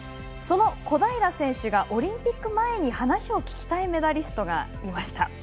その小平選手がオリンピック前に話を聞きたいメダリストがいました。